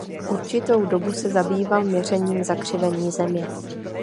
Určitou dobu se zabýval měřením zakřivení země.